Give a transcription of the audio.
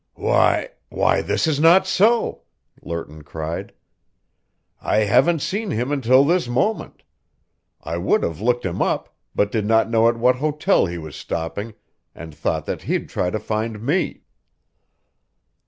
"Why why this is not so!" Lerton cried. "I haven't seen him until this moment. I would have looked him up, but did not know at what hotel he was stopping, and thought that he'd try to find me."